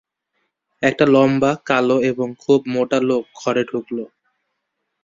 একটা লম্বা, কালো এবং খুব মোটা লোক ঘরে ঢুকল।